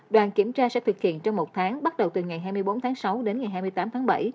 đoàn kiểm tra sẽ thực hiện trong một tháng bắt đầu từ ngày hai mươi bốn tháng sáu đến ngày hai mươi tám tháng bảy